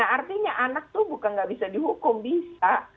artinya anak itu bukan nggak bisa dihukum bisa